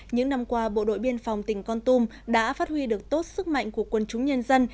những năm qua bộ đội biên phòng tỉnh con tum đã phát huy được tốt sức mạnh của quân chúng nhân dân